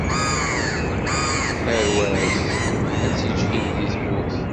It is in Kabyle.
Tarwa-s ad tiǧhid di tmurt.